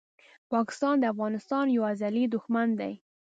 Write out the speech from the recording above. پاکستان د افغانستان یو ازلي دښمن دی!